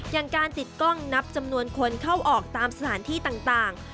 อย่างการติดกล้องนับจำนวนคนเข้าออกตามสถานที่ต่าง